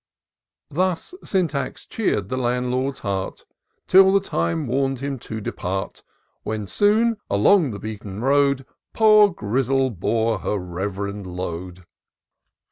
Thus Syntax cheer'd the Landlord's heart, Till the time wam'd him to depart ; When soon, along the beaten road. Poor Grizzle bore her rev'rend load.